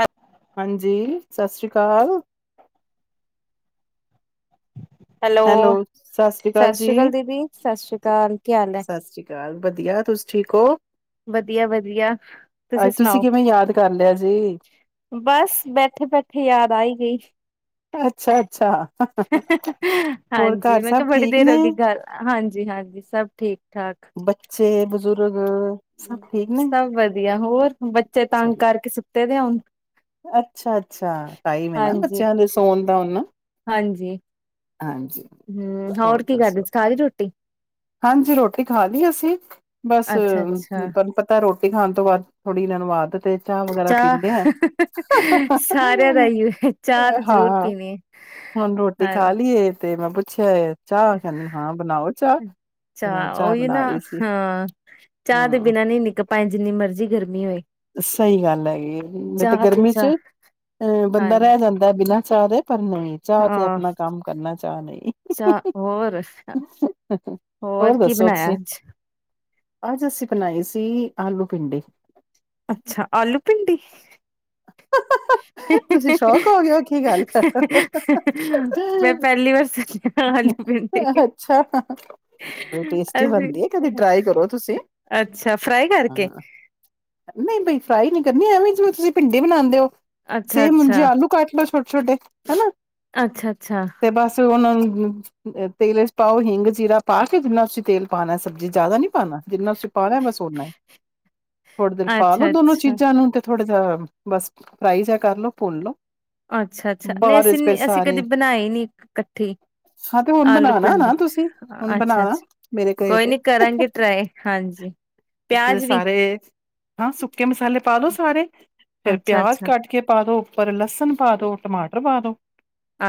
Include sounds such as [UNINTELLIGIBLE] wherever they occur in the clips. ਹੈ ਹਾਂਜੀ ਸਤਿ ਸ੍ਰੀ ਅਕਾਲ, ਹੈਲੋ, ਸਤਿ ਸ੍ਰੀ ਅਕਾਲ ਦੀਦੀ, ਸਤਿ ਸ੍ਰੀ ਅਕਾਲ ਕੀ ਹਾਲ ਐ? ਮੈਂ ਵਧੀਆ ਤੁਸੀਂ ਠੀਕ ਔ? ਵਧੀਆ-ਵਧੀਆ, ਤੁਸੀਂ ਸੁਣਾਓ? ਕਿਵੇਂ ਯਾਦ ਕਰ ਲਿਆ ਜੀ? ਬਸ ਬੈਠੇ-ਬੈਠੇ ਯਾਦ ਆਈ ਗਈ। ਅੱਛਾ-ਅੱਛਾ, ਹੋਰ ਘਰ ਹਾਂਜੀ, ਮੈਂ ਸਭ ਕਿਹਾ ਬੜੀ ਠੀਕ ਦੇਰ ਨੇ? ਅਗੀ ਗੱਲ ਹਾਂਜੀ-ਹਾਂਜੀ ਸਭ ਠੀਕ ਠਾਕ, ਤੇ ਬਜ਼ੁਰਗ? ਸਭ ਠੀਕ ਨੇ? ਸਭ ਵਧੀਆ ਹੋਰ ਬੱਚੇ ਤੰਗ ਚਲੋ ਕਰਕੇ ਸੁ- ਤੇ ਤੇ ਹੁਣ, ਅੱਛਾ-ਅੱਛਾ, ਕਾਈਵੇ ਨਾ ਹਾਂਜੀ ਬੱਚਿਆਂ ਦੇ ਸੌਣ ਦਾ ਉਹਨਾਂ ਹੂੰ, ਹੋਰ ਕੀ ਕਰਦੀ ਦੱਸੋ, ਖਾਲੀ ਦੀ ਰੋਟੀ, ਹਾਂਜੀ ਰੋਟੀ ਖਾ ਲਈ ਅਸੀਂ ਬਸ ਅੱਛਾ ਅੱਛਾ ਤੁਹਾਨੂੰ ਪਤਾ ਰੋਟੀ- ਖਾਣ ਤੋਂ ਬਾਅਦ ਥੋੜੀ ਦਿਨ ਵਾਦ ਚਾਹ ਸਾਰਿਆਂ ਦਾ ਹੀਓ ਹੈ ਚਾਹ ਤਾਂ ਜ਼ਰੂਰ ਹਾਂ ਪੀਣੇ ਹੁਣ ਆ ਰੋਟੀ ਹਾਂ। ਖਾ ਲਈਏ ਤੇ ਮੈਂ ਪੁੱਛਿਆ। ਚਾਹ ਕਹਿੰਦੇ ਨੇ ਹਾਂ ਬਣਾਓ ਚਾਹ, ਫਿਰ ਮੈਂ ਚਾਹ ਉਹੀ ਬਣਾ ਨਾ ਰਹੀ ਸੀ ਹਾਂ ਚਾਹ ਦੇ ਹਮ ਬਿਨਾਂ ਨਹੀਂ ਨਿਕਲ ਪਾਏ ਜਿੰਨੀ ਮਰਜ਼ੀ ਗਰਮੀ, ਹੋਏ, ਸਹੀ ਗੱਲ ਹੈਗੀ ਐ ਨਹੀਂ ਤੇ ਚਾਹ ਗਰਮੀ ਚ ਚਾਹ ਅਹ ਬੰਦਾ ਰਹਿ ਹਾਂਜੀ ਜਾਂਦਾ ਬਿਨਾਂ- ਚਾਹ ਪਰ ਨਹੀਂ ਚਾਹ ਤੇ ਹਾਂ ਆਪਣਾ ਕੰਮ ਕਰਨਾ ਚਾਹ ਨਹੀਂ, ਅੱਛਾ ਹੋਰ ਹੋਰ ਕੀ ਦੱਸੋ ਬਣਾਇਆ ਤੁਸੀਂ? ਅੱਜ ਅੱਜ ਅਸੀਂ ਬਣਾਏ ਸੀ ਆਲੂ ਭਿੰਡੀ, ਅੱਛਾ ਆਲੂ ਭਿੰਡੀ, ਤੁਸੀਂ ਸ਼ੌਕ ਹੋ ਗਿਆ ਕੀ ਗੱਲ ਮੈਂ ਪਹਿਲੀ ਵਾਰ ਸੁੱਕਿਆ ਆਲੂ ਭਿੰਡੀੇ ਅੱਛਾ ਬੜੀ ਟੇਸਟੀ ਅਸੀਂ ਬਣਦੀ ਹੈ ਕਦੇ ਟਰਾਈ ਕਰੋ ਤੁਸੀਂ ਅੱਛਾ ਫਰਾਈ ਕਰਕੇ, ਹਾਂ ਨਹੀਂ ਬਈ ਫਰਾਈ ਨੀ ਕਰਨੀ ਐਵੇਂ ਜਿਵੇਂ ਤੁਸੀਂ ਭਿੰਡੀ ਬਣਾਦੇ ਔ, ਅੱਛਾ ਸੇਮ ਜੇ ਅੱਛਾ ਆਲੂ ਕਾਟ ਲਓ ਛੋਟੇ-ਛੋਟੇ ਹਨਾ ਅੱਛਾ ਅੱਛਾ ਤੇ ਬਸ ਉਹ ਤੇਲ ਪਾਓ ਹਿੰਗ ਜੀਰਾ ਪਾ ਕੇ ਜਿੰਨਾ ਤੁਸੀਂ ਤੇਲ ਪਾਣਾ ਸਬਜ਼ੀ ਜ਼ਿਆਦਾ ਨੀ। ਪਾਣਾ ਜਿੰਨਾ ਤੁਸੀਂ ਪਾ ਲਿਆ ਐ ਸ ਓਨਾ ਹੀ, ਪਾ ਲੋੋ ਅੱਛਾ ਦੋਨੋ ਅੱਛਾ ਚੀਜ਼ਾਂ ਨੂੰ ਤੇ, ਥੋੜਾ ਜਾਿਹਾ ਬਸ ਫਰਾਈ ਜਿਹਾ ਕਰ ਲੋ ਭੁਨਲੋ, ਅੱਛਾ ਅੱਛਾ ਨਹੀਂ ਅਸੀਂ ਅਸੀਂ ਕਦੀ ਬਣਾਈ ਨੀ ਇਕੱਠੀ ਹਾਂ ਤੇ ਹੁਣ ਆਲੂ ਬਣਾਣਾ ਭਿੰਡੀ ਨਾ ਤੁਸੀਂ ਹੁਣ ਅੱਛਾ ਬਣਾਣਾ ਅੱਛਾ ਮੇਰੇ ਕਹੇ ਕੋਈ ਤੇ ਨੀ ਕਰਾਂਗੇ ਟਰਾਏ ਹਾਂਜੀ ਤੁਸੀਂ ਪਿਆਜ ਵੀ ਸਾਰੇ ਹਾਂ ਸੁੱਕੇ ਮਸੇ ਪਾ ਲੋ ਸਾਰੇ ਫੇਰ ਪਿਆਜ ਅੱਛਾ-ਅੱਛਾ, ਕੱਟ ਕੇ ਪਾ ਦੋ ਉੱਪਰ ਲਸਣ ਪਾ ਦੋ ਟਮਾਟਰ ਪਾ ਦੋ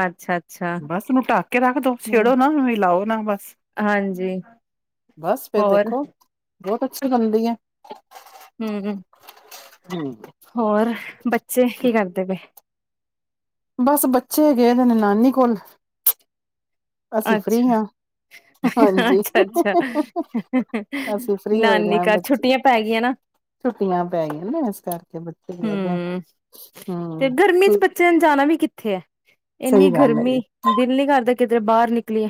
ਅੱਛਾ-ਅੱਛਾ ਬਸ ਉਹਨੂੰ ਢਕ ਕੇ ਰੱਖ ਦੋ ਹੂੰ ਛੇੜੋ ਨਾ ਲਓ ਨਾ ਬਸ ਹਾਂਜੀ ਬਸ ਫੇਿਰ ਹੋਰ ਦੇਖੋ ਬਹੁਤ ਅੱਛੀ ਬਣਦੀ ਹੈ ਹਮ ਹੋਰ ਬੱਚੇ ਕੀ ਕਰਦੇ ਪਏ ਬਸ ਬੱਚੇ ਗਏ ਨੇ ਨਾਨੀ ਕੋਲ ਅਸੀਂ ਫ੍ਰੀ ਅੱਛਾ, ਹਾਂ ਹਾਂਜੀ ਅੱਛਾ-ਅੱਛਾ ਅਸੀਂ ਫ੍ਰੀ ਹੋਏ ਜਾ ਨਾਨੀ ਹਾਂ ਘਰ ਬੱਚੇ ਛੁੱਟੀਆਂ ਪੈ ਗਈਆਂ ਨਾ ਛੁੱਟੀਆਂ ਪੈ ਗਈਆਂ ਨੇ ਇਸ ਕਰਕੇ ਬੱਚੇ ਗਏ ਦੇ ਹਮ ਹਮ ਤੇ ਗਰਮੀ ਤ ਚ ਬੱਚਿਆਂ ਨੂੰ ਜਾਣਾ ਵੀ ਕਿੱਥੇ ਹੈ ਇੰਨੀ ਸਹੀ ਗੱਲ ਹੈਗੀ ਗਰਮੀ ਦਿਲ ਨੀ ਕਰਦਾ ਕਿਧਰੇ ਬਾਹਰ ਨਿਕਲੀਏ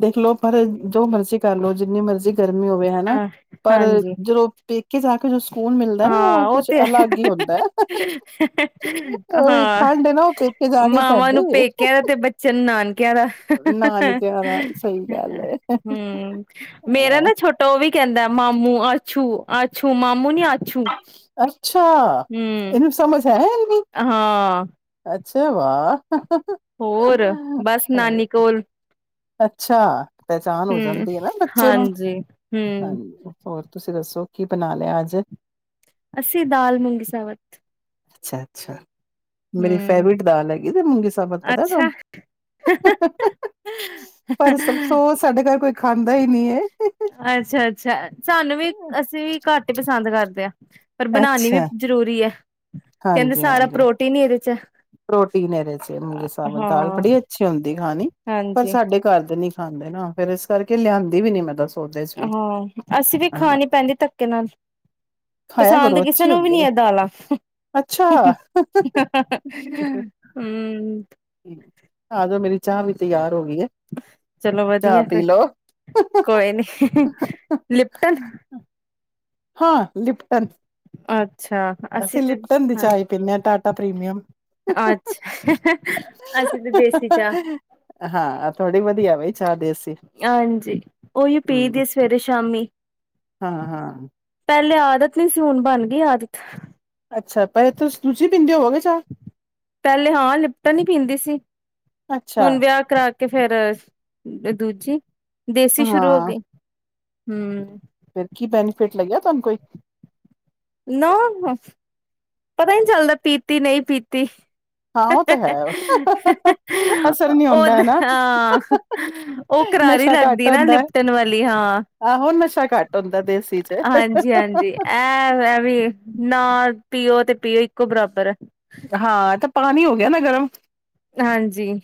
ਦੇਖਲੋ ਪਰ ਜੋ ਮਰਜ਼ੀ ਕਰ ਲਓ ਜਿੰਨੀ ਮਰਜ਼ੀ ਗਰਮੀ ਹੋਵੇ ਹਨਾ ਅ ਪਰ ਹਾਂਜੀ ਜਦੋਂ ਪੇਕੇ ਜਾ ਕੇ ਜੋ ਸਕੂਨ ਮਿਲਦਾ ਨਾ ਹਾਂ ਉਹ ਕੁਛ ਤੇ ਅਲੱਗ ਹੀ ਹੁੰਦਾ ਹੈ ਹਾਂ ਠੰਡ ਨਾ ਉਹ ਪੇਕੇ ਜਾ ਕੇ ਮਾਵਾਂ ਨੂੰ ਪੈਂਦੀ ਏ। ਪੇਕਿਆਂ ਦਾ ਤੇ ਬੱਚਿਆਂ ਨੂੰ ਨਾਨਕਿਆਂ ਦਾ ਨਾਨਕੇ ਆਣਾ ਸਹੀ ਗੱਲ ਏ। ਹਮ ਮੇਰਾ ਹਾਂ ਨਾ ਛੋਟਾ ਉਹ ਵੀ ਕਹਿੰਦਾ ਮਾਮੂ ਆੱਛੂ ਆੱਛੂ ਮਾਮੂ ਨੀ ਆੂ ਅੱਛਾ ਇਹਨੂੰ ਸਮਝ ਹੈ ਇੰਨੀ ਹਾਂ ਅੱਛਾ ਵਾਓ ਹੋਰ ਬਸ ਨਾਨੀ ਕੋਲ ਅੱਛਾ ਪਹਿਚਾਣ ਹੋ ਹੂੰ ਜਾਂਦੀ ਹੈ ਨਾ ਬੱਚੇ ਨੂੰ ਹਾਂਜੀ ਹੂੰ ਹਾਂਜੀ ਹੋਰ ਤੁਸੀਂ ਦੱਸੋ ਕੀ ਬਣਾ ਲਿਆ ਅੱਜ ਅੱਸੀ ਦਾਲ ਮੁੂੰਗੀ ਸਾ ਵਤ ਅੱਛਾ ਅੱਛਾ ਮੇਰੀ ਫੇਵਰੇਟ ਦਾਲ ਹੈਗੀ ਤੇ ਮੂੰਗੀ ਸਾਬਤ ਪਤਾ ਅੱਛਾ ਤੁਹਾਨੂੰ ਪਰ ਅਫਸੋਸ ਕਿ ਸਾਡੇ ਘਰ ਕੋਈ ਖਾਂਦਾ ਨਹੀਂ ਖਾਂਦਾ ਹੀ ਨਹੀਂ ਹੈ ਅੱਛਾ ਅੱਛਾ ਸਾਨੂੰ ਵੀ ਅਸੀਂ ਵੀ ਘੱਟ ਹੀ ਪਸੰਦ ਕਰਦੇ ਹ ਪਰ ਬਣਾਉਣੀ ਵੀ ਅੱਛਾ ਜਰੂਰੀ ਐ। ਕਹਿੰਦੇ ਸਾਰਾ ਹਾਂਜੀ-ਹਾਂਜੀ ਪ੍ਰੋਟੀਨ ਈ ਇਹਦੇ ਚ ਆ। ਪ੍ਰੋਟੀਨ ਇਹਦੇ ਚ ਮੂੰਗੇ ਸਾਵਰ ਦਾਲ ਹਾਂ ਬੜੀ ਅੱਛੀ ਹੁੰਦੀ ਖਾਣੀ ਪਰ ਹਾਂਜੀ ਸਾਡੇ ਘਰ ਦੇ ਨੀ ਖਾਂਦੇ ਹਾਂ ਫੇਰ ਇਸ ਕਰਕੇ ਲਿਆਂਦੀ ਵੀ ਨੀ ਮੈਂ ਦੱਸ ਹਾਂ ਅਸੀਂ ਵੀ ਖਾਣੀ ਪੈਂਦੀ ਧੱਕੇ ਨਾਲ, ਖਾਇਆ ਪਸੰਦ ਕਰੋ ਕਿਸੇ ਅੱਛੀ ਨੂੰ ਵੀ ਨੀ ਹੁੰਦੀ ਏ ਹੈ ਦਾਲਾਂ ਅੱਛਾ। ਹੂੰ। ਆਜੋ ਮੇਰੀ ਚਾਹ ਵੀ ਤਿਆਰ ਹੋ ਗਈ ਹੈ ਚਲੋ ਚਾਹ ਵਧੀਆ ਪੀ ਫਿਰ ਲਓ। ਕੋਈ ਨੀ, ਲਿਪਟਨ ਹਾਂ ਲਿਪਟਨ ਅ ਅਸੀ ਲਿਪਟਨ ਦੀ ਚਾਹ ਹੀ ਪੀਨੇ ਆ ਟਾਟਾ ਪ੍ਰੀਮੀਅਮ ਅੱਛਾ ਅਸੀਂ ਤਾਂ ਦੇਸੀ ਚਾਹ, ਹਾਂ ਥੋੜੀ ਵਧੀਆ ਬਈ ਚਾਹ ਦੇਸੀ ਹਾਂਜੀ ਓਹੀ ਪੀ ਦੀ ਆ ਹੂੰ ਸਵੇਰੇ ਸ਼ਾਮੀ ਹਾਂ ਹਾਂ। ਤ ਪਹਿਲੇ ਆਦਤ ਨੀ ਸੀ ਹੁਣ ਬਣ ਗਈ ਆਦਤ ਅੱਛਾ ਤਾਇਓ ਤੂ ਤੁਸ ਤੁਸੀ ਪੀਂਦੇ ਹੋ ਪਹਿਲੇ ਹਾਂ ਲਿਪਟਣ ਹੀ ਪੀਂਦੀ ਸੀ। ਅੱਛਾ ਹੁਣ ਵਿਆਹ ਕਰਾ ਕੇ ਫੇਰ ਏ ਦੂਜੀ ਦੇਸੀ ਸ਼ੁਰੂ ਹੋ ਹਾਂ ਗਈ, ਹੂੰ ਫਿਰ ਕੀ ਬੈਨੀਫਿਟ ਲੱਗਿਆ ਤੁਹਾਨੂੰ ਕੋਈ? ਨਾ ਪਤਾ ਹੀ ਨਹੀਂ ਚੱਲਦਾ ਪੀਤੀ ਨਹੀਂ ਪੀਤੀ। ਹਾਂ ਉਹ ਤਾਂ ਹੈ ਅਸਰ ਨਹੀਂ ਹੁੰਦਾ ਓਦ ਹੈ ਨਾ ਹਾਂ ਉਹ ਕਰਾਰੀ ਨਸ਼ਾ ਘੱਟ ਲੱਗਦੀ ਨਾ ਹੁੰਦਾ ਹੈ। ਲਿਪਟਣ ਵਾਲੀ, ਹਾਂ ਆਹੋ ਨਸ਼ਾ ਘੱਟ ਹੁੰਦਾ ਦੇਸੀ ਚ ਹਾਂਜੀ-ਹਾਂਜੀ ਐ ਐਵੀ ਨ ਪੀਓ ਅਤੇ ਪੀਓ ਇੱਕੋ ਬਰਾਬਰ ਐ। ਹਾਂ ਤਾਂ ਪਾਣੀ ਹੋ ਗਿਆ ਨਾ ਗਰਮ ਹਾਂਜੀ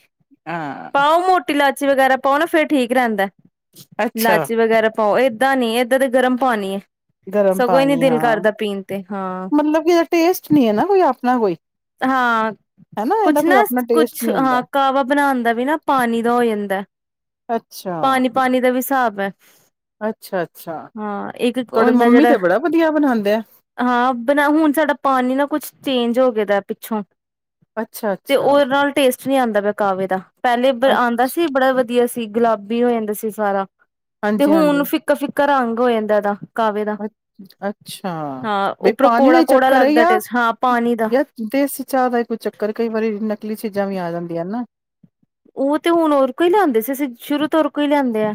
ਹਾਂ ਪਾਓ ਮੋਟੀ ਲਾ ਚੀ ਵਗੈਰਾ ਪਾਓ ਨਾ ਫ਼ਿਰ ਠੀਕ ਰਹਿੰਦਾ ਅੱਛਾ ਲਾਚੀ ਵਗੈਰਾ ਪਾਓ ਏਦਾਂ ਨੀ ਏਦਾਂ ਤੇ ਗਰਮ ਪਾਣੀ ਏ। ਗਰਮ ਪਾਣੀ ਹਾਂ। ਤੇ ਹਾਂ ਮਤਲਬ ਕਿ ਇਹਦਾ ਟੇਸਟ ਨੀ ਹੈ ਨਾ ਕੋਈ ਆਪਣਾ ਕੋਈ ਹਾਂ ਹਨਾ ਇਹਦਾ ਕੁੱਛ ਕੋਈ ਨਾ ਆਪਣਾ ਟੇਸਟ ਕੁੱਛ ਨਹੀਂ ਹੁੰਦਾ ਹਾਂ ਕਾਵਾ ਬਣਾਉਦਾ ਵੀ ਨਾ ਪਾਣੀ ਦਾ ਹੋ ਜਾਂਦਾ ਅੱਛਾ ਪਾਣੀ ਪਾਣੀ ਦਾ ਵੀ ਸਾਬ ਹਿਸਾਬ ਹੈ ਅੱਛਾ ਅੱਛਾ ਹਾਂ ਇੱਕ ਤੁਹਾਡੇ ਹੁੰਦਾ ਮੰਮੀ ਜਿਹੜਾ ਤੇ ਬੜਾ ਵਧੀਆ ਬਣਾਉਂਦੇ ਆ ਹਾਂ ਬ ਹੁਣ ਸਾਡਾ ਪਾਣੀ ਨਾ ਕੁਛ ਚੇਂਜ ਹੋ ਗਏ ਦਾ ਪਿੱਛੋਂ ਅੱਛਾ ਅੱਛਾ ਕੁਛ ਨੀ ਆਉਂਦਾ ਪਿਆ ਕਾਵੇ ਦਾ ਪਹਿਲੇ ਆਉਂਦਾ ਸੀ ਬੜਾ ਵਧੀਆ ਸੀ। ਗੁਲਾਬੀ ਹੋ ਜਾਂਦਾ ਸੀ ਸਾਰਾ ਤੇ ਹਾਂਜੀ ਹਾਂਜੀ ਹੁਣ ਫਿੱਕਾ ਫਿੱਕਾ ਰੰਗ ਹੋ ਜਾਂਦਾ ਇਹਦਾ ਕਾਵੇ। ਦਾ ਅੱ ਅੱਛਾ, ਹਾਂ ਬਈ ਉੱਪਰੋਂ ਪਾਣੀ ਦਾ ਕੌੜਾ ਹੀ ਕੌੜਾ ਚੱਕਰ ਹੈ ਲੱਗਦਾ ਯਾ ਟੇਸਟ ਹਾਂ ਪਾਣੀ ਦਾ ਯਾਰ ਦੇਸੀ ਚਾਹ ਦਾ ਕੋ ਚੱਕਰ ਕਈ ਵਾਰੀ ਨਕਲੀ ਚੀਜ਼ਾਂ ਵੀ ਆ ਜਾਂਦੀਆਂ ਹਨ। ਨਾ ਉਹ ਤੇ ਹੁਣ ਹੋਰ ਕੋਈ ਹੀ ਲਿਆਂਦੇ ਸੀ। ਅਸੀਂ ਸ਼ੁਰੂ ਤੋ ਹੋਰ ਕੋਈ ਲਿਆਂਦੇ ਆ।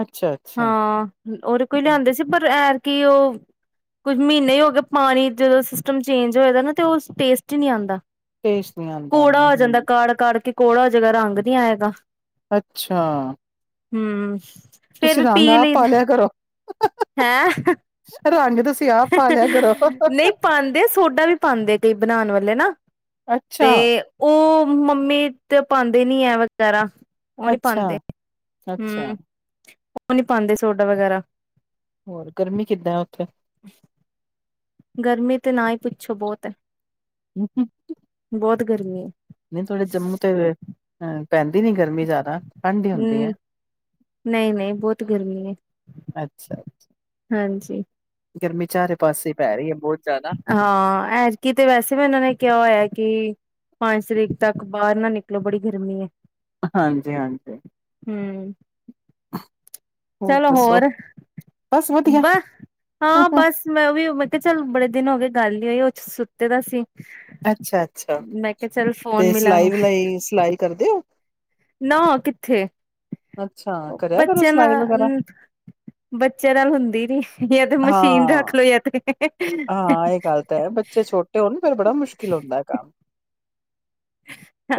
ਅੱਛਾ-ਅੱਛਾ, ਹਾਂ ਉਹਦੇ ਕੋ ਹੀ ਲਿਆਂਦੇ ਸੀ ਪਰ ਐਰ ਕਿ ਉਹ ਕੁੱਝ ਮਹੀਨੇ ਹੀ ਹੋ ਗਏ ਪਾਣੀ ਜਦੋਂ ਸਿਸਟਮ ਚੇਂਜ ਹੋਏ ਦਾ ਨਾ ਤੇ ਉਹ ਟੇਸਟ ਹੀ ਨਹੀਂ ਆਉਂਦਾ। ਟੇਸਟ ਨੀ ਆਂਦਾ ਕੌੜਾ ਹੋਣਾ ਹੋ ਜਾਂਦਾ ਹੂੰ, ਕਾੜ ਕਾੜ ਕੇ ਕੌੜਾ ਜਗ੍ਹਾ ਰੰਗ ਨੀ ਆਏਗਾ ਅੱਛਾ ਹਮ ਤੁਸੀਂ ਰੰਗ ਆਪ ਪਾ ਲਿਆ ਕਰੋ। ਹੈਂ ਰੰਗ ਤੁਸੀਂ ਆਪ ਪਾ ਲਿਆ ਕਰੋ, ਨਹੀਂ ਪਾਉਂਦੇ ਸੋਡਾ ਵੀ ਪਾਉਂਦੇ ਕਈ ਬਣਾਉਣ ਵਾਲੇ ਹਲੇ ਨਾ ਤੇ ਅੱਛਾ, ਉਹ ਮੰਮੀ ਤੇ ਪਾਉਂਦੇ ਨੀ ਹੈ ਵਗੈਰਾ ਉਹ ਨੀ ਅੱਛਾ। ਪਾਉਂਦੇ ਹਮ ਅੱਛਾ, ਉਹ ਨਹੀਂ ਪਾਉਂਦੇ ਸੋਡਾ ਵਗੈਰਾ ਹੋਰ ਗਰਮੀ ਕਿੱਦਾਂ ਉੱਥੇ? ਗਰਮੀ ਤੇ ਨਾ ਹੀ ਪੁੱਛੋ ਬਹੁਤ ਏ ਹ ਗਰਮੀ ਹੈ ਨਹੀਂ ਤੁਹਾਡੇ ਜੰਮੂ ਤੇ ਪੈਂਦੀ ਨੀ ਗਰਮੀ ਜ਼ਿਆਦਾ, ਠੰਡ ਹੀ ਹੁੰਦੀ ਹੈ, ਹੂੰ ਨਹੀਂ ਨਹੀਂ ਬਹੁਤ ਗਰਮੀ ਐ। ਅੱਛਾ। ਹਾਂਜੀ ਜੀ ਗਰਮੀ ਚਾਰੇ ਪਾਸੇ ਪੈ ਰਹੀ ਹੈ ਬਹੁਤ ਜ਼ਿਆਦਾ, ਹਾਂ ਐਤਕੀ ਤੇ ਵੈਸੇ ਵੀ ਉਹਨਾ ਨੇ ਕਿਹਾ ਹੋਇਆ ਕਿ ਪੰਜ ਤਰੀਕ ਤੱਕ ਬਾਹਰ ਨਾ ਨਿਕਲੋ ਬੜੀ ਗਰਮੀ ਐ। ਹਾਂਜੀ ਹਾਂਜੀ। ਹੂੰ ਚਲੋ ਹੋਰ ਬਸ ਵਧੀਆ ਬਸ ਹਾਂ ਬਸ ਮੈਂ ਉਹ ਵੀ ਮੈਂ ਕਿਹਾ ਚਲ ਬੜੇ ਹੋ ਗਏ ਗੱਲ ਹੀ ਹੋਈ ਉਹ ਸੁੱਤੇ ਤਾਂ ਸੀ। ਅੱਛਾ, ਅੱਛਾ ਮੈਂ ਕਿਹਾ ਚੱਲ ਫੋਨ ਤੇ ਮਿਲਾ ਸਿਲਾਈ ਵਿਲਾਈ ਸਿਲਾਈ ਕਰਦੇ ਹੋ। ਨਾ ਕਿੱਥੇ ਅੱਛਾ ਕਰਿਆ ਕਰੋ ਬੱਚਿਆਂ ਸਿਲਾਈ ਵਗੈਰਾ ਨਾਲ ਬੱਚਿਆਂ ਨਾਲ ਹੁੰਦੀ ਨੀ। ਜਾਂ ਤੇ ਮਸ਼ੀਨ ਹਾਂ ਰੱਖ ਲੋ ਜਾਂ ਤੇ ਹਾਂ ਇਹ ਗੱਲ ਤਾਂ ਹੈ ਬੱਚੇ ਛੋਟੇ ਹੋਣ ਫੇਰ ਬੜਾ ਮੁਸ਼ਕਿਲ ਹੋਤਾ ਕਾਮ।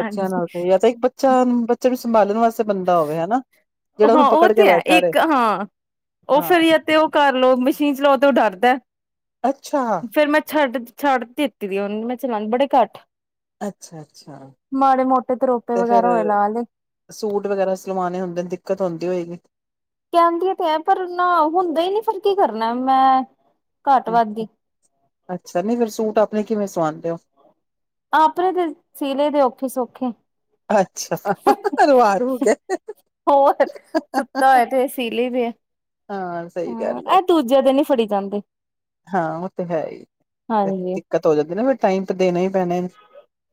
ਅੱਛਾ ਨਾਲ ਕਾਹੀ ਤਾਂ [UNINTELLIGIBLE] ਤੇ ਬੱਚਿਆਂ ਨੂੰ ਸੰਭਾਲਣ ਵਾਸਤੇ ਬੰਦਾ ਹੋਵੇ ਹਨਾ ਜਿਹੜਾ ਹਾਂ ਉਹਨੂੰ ਉਹ ਪਕੜ ਕੇ ਤੇ ਹੈ ਬੈਠਾ ਰਹੇ ਇੱਕ ਹਾਂ ਉਹ ਫਿਰ ਏ ਹਾਂ ਤੇ ਉਹ ਕਰ ਲਓ। ਚੀਂਜ ਲਓ ਤੇ ਉਹ ਡਰਦਾ ਹੈ। ਅੱਛਾ ਫੇਰ ਮੈਂ ਛੱਡ ਦਿੱਤੀ ਵੀ ਉਹਨੂੰ ਮੈਂ ਚਲਾਣ ਬੜੇ ਘੱਟ ਅੱਛਾ ਅੱਛਾ ਮਾੜੇ ਮੋਟੇ ਤਰੋਪੇ ਤੇ ਫੇਰ ਵਗੈਰਾ ਹੋਏ ਲਾ ਲਏ ਸੂਟ ਵਗੈਰਾ ਸਵਾਣੇ ਹੁੰਦੇ ਨੇ ਦਿੱਕਤ ਹੁੰਦੀ ਹੋਏਗੀ। ਕਹਿੰਦੀ ਤੇ ਹੈ ਪਰ ਨਾ ਹੁੰਦਾ ਹੀ ਨਹੀਂ ਫਿਰ ਕੀ ਕਰਨਾ ਮੈਂ ਘੱਟ ਅ ਵੱਧ ਦੀ ਅੱਛਾ ਨਹੀਂ ਫਿਰ ਸੂਟ ਆਪਣੇ ਕਿਵੇਂ ਸਿਵਾਦੀ ਓ ਆਪਣੇ ਤੇ ਸੀ ਲਏ ਦੇ ਔਖੇ ਸੌਖੇ ਅੱਛਾ, ਰਵਾ ਰਵੂ ਕੇ। ਹੋਰ ਸੁੱਤਾ ਹੋਇਆ ਤੇ ਸੀਲੇ ਦੇ ਹਾਂ ਸਹੀ ਗੱਲ ਹੈ ਇਹ ਦੂਜਿਆਂ ਦੇ ਨੀ ਫੜੀ ਜਾਂਦੇ। ਹਾਂ ਉਹ ਤੇ ਹੈ ਹੀ ਹਾਂਜੀ ਦਿੱਕਤ ਹੋ ਜਾਂਦੀ ਨਾ ਫੇਰ ਟਾਈਮ ਤੇ ਦੇਣਾ ਹੀ ਪੈਣਾ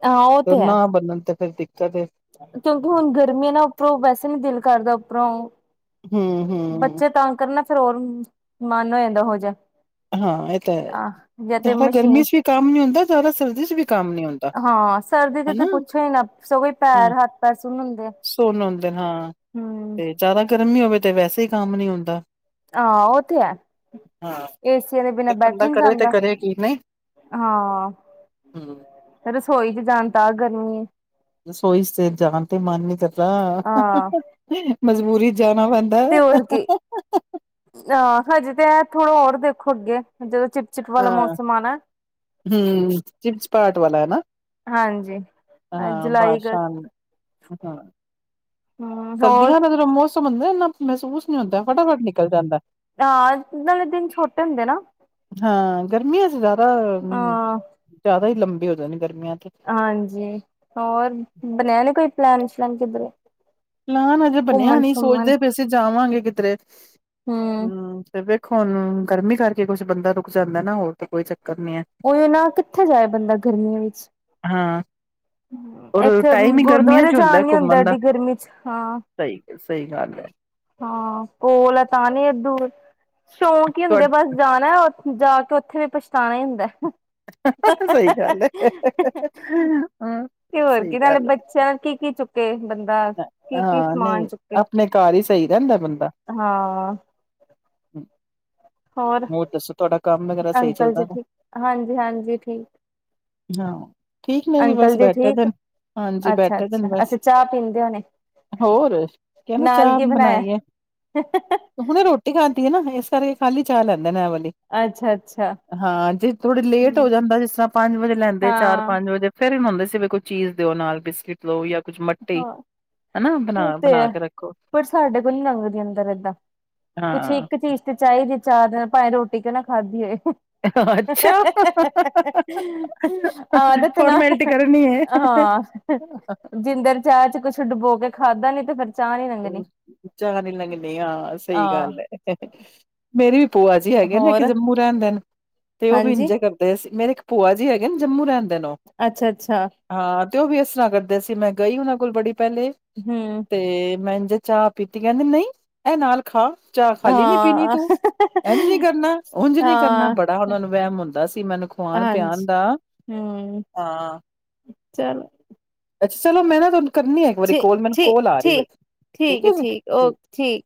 ਹਾਂ ਉਹ ਤੇ ਹੈ ਨਾ ਬਨਣ ਤੇ ਫੇਰ ਕਿਉਂਕਿ ਹੁਣ ਗਰਮੀਆਂ ਨਾ ਉੱਪਰੋਂ ਵੈਸੇ ਨੀ ਦਿਲ ਕਰਦਾ ਉੱਪਰੋਂ ਹੂੰ ਹੂੰ। ਬੱਚੇ ਤੰਗ ਕਰਨ ਨਾ ਫੇਰ ਹੋਰ ਮਨ ਹੋ ਜਾਂਦਾ ਉਹੋ ਜਿਹਾ ਹਾਂ ਇਹ ਤਾਂ ਹੈ ਜ਼ਿਆਦਾ ਗਰਮੀ ਮਸ਼ੀਨ ਚ ਵੀ ਕੰਮ ਨੀ ਹੁੰਦਾ ਜ਼ਿਆਦਾ ਸਰਦੀ ਚ ਵੀ ਕੰਮ ਨੀ ਹੁੰਦਾ ਹਾਂ ਸਰਦੀ ਹੈ ਤੇ ਨਾ ਤੇ ਪੁੱਛੋ ਹੀ ਨਾ ਸਗੋਂ ਹਾਂ ਪੈਰ ਹੱਥ ਪੈਰ ਸੁੰਨ ਹੁੰਦੇ ਸੁੰਨ ਹੁੰਦੇ ਨੇ ਹਾਂ ਹਮ ਤੇ ਜ਼ਿਆਦਾ ਗਰਮੀ ਹੋਵੇ। ਤੇ ਵੈਸੇ ਹੀ ਕੰਮ ਨੀ ਹੁੰਦਾ ਆ ਉਹ ਤੇ ਏ। ਹਾਂ ਏਸੀਆਂ ਦੇ ਬਿਨਾਂ ਤੇ ਬੈਠੇ ਬੰਦਾ ਨੀ ਕਰੇ ਤੇ ਜਾਂਦਾ ਕਰੇ ਕੀ ਨਹੀਂ ਹੂੰ ਹਾਂ ਰਸੋਈ ਚ ਜਾਣ ਤਾਂ ਗਰਮੀ ਰਸੋਈ ਤੇ ਜਾਣ ਤੇ ਮਨ ਨੀ ਕਰਦਾ ਹਾਂ ਮਜਬੁ ਬੁਰੀ। ਤੇ ਹੋਰ ਕੀ ਆ ਹਜੇ ਤੇ ਏ। ਥੋੜਾ ਹੋਰ ਦੇਖੋ ਅੱਗੇ ਜਦੋਂ ਚਿਪਚਿਪ ਵਾਲਾ ਹਾਂ ਮੌਸਮ ਆਣਾ। ਹਮ ਚਿਮਚਪਾਟ ਵਾਲਾ ਹੈ ਨਾ ਹਾਂਜੀ ਹਾਂ ਜੁਲਾਈ ਬਾਰਸ਼ਾਂ ਅਗਸਤ ਹਾਂ। ਹੂੰ ਹੋਰ ਸਰਦੀਆਂ ਦਾ ਜਦੋਂ ਮੋਸਮ ਬੰਦਾ ਇੰਨਾ ਮਹਿਸੂਸ ਨਹੀਂ ਹੁੰਦਾ ਫਟਾਫਟ ਨਿਕਲ ਜਾਂਦਾ। ਹਹ ਨਾਲੇ ਦਿਨ ਛੋਟੇ ਹੁੰਦੇ ਨਾ। ਹਾਂ ਗਰਮੀ ਚ ਜਿਆਦਾ ਹਾਂ ਹ ਜ ਲੰਬੀ ਹੋ ਜਾਂ ਜਾਂਣੀ। ਹਾਂਜੀ ਹੋਰ ਬਣਿਆ ਨੀ ਕੋਈ ਪਲੈਨ ਜਾਣ ਦਾ ਕਿੱਧਰੇ ਨਾ ਨਾ ਅਜੇ ਬੰਣਿਆ ਘੁੰਮਣ ਨਹੀਂ ਸ਼ੁੰਮਣ ਸੋਚਦੇ ਵੀ ਅਸੀਂ ਜਾਵਾਂਗੇ ਕਿਧਰੇ ਹੂੰ ਹਮ ਫ ਹੁਣ ਗਰਮੀ ਕਰਕੇ ਕੁਛ ਬੰਦਾ ਰੁਕ ਜਾਂਦਾ ਨਾ ਹੋਰ ਤਾਂ ਕੋਈ ਚੱਕਰ ਨੀ ਹੈ ਕੋਈ ਨਾ ਕਿੱਥੇ ਜਾਏ ਬੰਦਾ ਗਰਮੀਆਂ ਵਿੱਚ ਹਾਂ ਔਰ ਇੱਥੇ ਟਾਈਮ ਹੀ ਗਰਮੀਆਂ ਗੁਰਦੁਆਰੇ ਚ ਜਾ ਨੀ ਹੁੰਦਾ ਘੁੰਮਣ ਦਾ ਐਡੀ ਗਰਮੀ ਵਿੱਚ ਹਾਂ। ਸਹੀ ਸਹੀ ਗੱਲ ਹੈ ਹਾਂ ਕੋਲ ਏ ਤਾਂ ਵੀ ਦੂਰ ਸ਼ੌਂਕ ਹੀ ਤੁਹਾ ਹੁੰਦੇ ਬਸ ਜਾਣਾ ਉੇ ਜਾ ਕੇ ਉੱਥੇ ਵੀ ਪਛਤਾਉਣਾ ਹੀ ਹੁੰਦਾ। ਸਹੀ ਗੱਲ ਏ ਰੂੰ ਹੋਰ ਸਹੀ ਕੀ ਨਾਲੇ ਗੱਲ। ਬੱਚਿਆਂ ਨਾਲ ਕੀ ਕੀ ਚੁੱਕੇ ਤੇ ਬੰਦਾ ਹੈ। ਕੀ ਕੀ ਹਾਂ ਸਮਾਨ ਨਹੀਂ ਚੁੱਕ ਆਪਣੇ ਘਰ ਹੀ ਸਹੀ ਰਹਿੰਦਾ ਬੰਦਾ। ਹਾਂ ਹੋਰ ਦੱਸੋ ਤੁਹਾਡਾ। ਕੰਮ ਵਗੈਰਾ ਸਹੀ ਅੰਕਲ ਜੀ ਚੱਲਦਾ ਠੀਕ ਹਾਂਜੀ -ਹਾਂਜੀ, ਠੀਕ। ਹਾਂ। ਠੀਕ ਨੇ ਵੀ ਬਸ ਅੰਕਲ ਜੀ ਬੈਠੇ ਦੇ ਠੀਕ ਨੇ, ਹਾਂਜੀ ਅੱਛਾ ਬੈਠੇ ਦੇ ਨੇ ਅੱਛਾ ਅੱਛਾ ਬਸ, ਚਾਹ ਪੀਂਦੇ ਹੋਣੇ ਹੋਰ ਕੀ ਨਾ ਨਾਲ ਚਾਹ ਬਣਾਇਆ ਬਣਾਈ ਏ, ਹੁਣੇ ਰੋਟੀ ਖਾਦੀ ਹੈ ਨਾ। ਇਸ ਸਾਰੇ ਖਾਲੀ ਚਾਲਤ ਐ ਵਾਲੀ। ਅੱਛਾ ਅੱਛਾ ਹਾਂ, ਜੇ ਥੋੜੀ ਲੇਟ ਹੋ ਜਾਂਦਾ ਜਿਸ ਤਰ੍ਹਾਂ ਪੰਜ ਵਜੇ ਲੈਂਦੇ ਚਾਰ ਹਾਂ ਪੰਜ ਵਜੇ ਫੇਰ ਹੀ ਨਾ ਹੁੰਦੇ ਕਹਿੰਦੇ ਕੋਈ ਚੀਜ਼ ਦਿਉ ਨਾਲ ਬਿਸਕਿਟ ਦੇਉ ਜਾਂ ਕੁੱਝ ਮੱਠੀ ਹਾਂ, ਹਨਾ ਬਣਾ ਉਹ ਤੇ ਹੈ, ਬਣਾ ਕੇ ਰੱਖੋ ਪਰ ਸਾਡੇ ਕੋਲ ਨੀ ਲੰਘਦੀ ਅੰਦਰ ਏਦਾਂ, ਕੁਛ ਹਾਂ ਇੱਕ ਚੀਜ਼ ਤੇ ਚਾਹੀਦੀ। ਚਾਰ ਦਿਨ ਭਾਵੇਂ ਰੋਟੀ ਕਿਉਂ ਨਾ ਖਾਧੀ ਹੋਏ। ਅੱਛਾ, ਆਦਤ ਨਾ ਫੋਰਮੈਲਿਟੀ ਕਰਨੀ ਹੈ। ਜਿੱਦਣ ਚਾਹ ਚ ਕੁੱਛ ਡੁਬੋ ਕੇ ਖਾਧਾ ਨੀ ਤੇ ਫਿਰ ਚਾਹ ਨੀ ਲੰਘਣੀ। ਉਹ ਚਾਅ ਨੀ ਲੰਘਣੀ ਹਾਂ, ਸਹੀ ਗੱਲ ਆਹ ਹੈ। ਮੇਰੀ ਭੂਆ ਜੀ ਹੈਗੇ ਨੇ ਕਿ ਹੋਰ ਜੰਮੂ ਰਹਿੰਦੇ ਨੇ ਤੇ ਉਹ ਵੀ ਹਾਂਜੀ ਇੰਜੇ ਕਰਦੇ ਸੀ ਮੇਰੇ ਭੂਆ ਜੀ ਹੈਗੇ ਨੇ ਜੰਮੂ ਰਹਿਣ ਅੱਛਾ, ਅੱਛਾ। ਤੇ ਉਹ ਵੀ ਇਸ ਤਰ੍ਹਾਂ ਕਰਦੇ ਸੀ, ਮੈਂ ਗਈ ਉਹਨਾਂ ਕੋਲ ਬੜੀ ਪਹਿਲੇ ਹੂੰ। ਤੇ ਮੈਂ ਇੰਝ ਚਾਹ ਪੀਤੀ, ਕਹਿੰਦੇ ਨਹੀਂ ਇਹ ਨਾਲ ਖਾ। ਚਾਹ ਖਾਲੀ ਨੀ ਪੀਣੀ ਹਾਂ ਤੂੰ, ਇੰਝ ਨੀ ਕਰਨਾ, ਉੰਝ ਨੀ ਕਰਨਾ, ਹਾਂ ਬੜਾ ਉਹਨਾਂ ਨੂੰ ਵਹਿਮ ਹੁੰਦਾ ਸੀ, ਮੈਨੂੰ ਖਵਾਣ ਹਾਂਜੀ। ਪਿਆਣ ਦਾ, ਹੂੰ। ਹਾਂ। ਚਲੋ। ਅੱਛਾ ਚਲੋ ਮੈਂ ਨਾ ਤੁਹਾਨੂੰ ਕਰਨੀ ਆ ਇੱਕ ਵਾਰੀ ਠੀ ਕੋਲ ਮੈਨੂੰ ਠੀ ਕੋਲ ਆ ਰਹੀ, ਠੀ ਠੀਕ ਏ ਹੈ ਠੀਕ ਜੀ। ਓਕੇ ਠੀਕ।